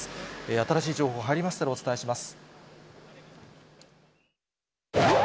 新しい情報入りましたらお伝えします。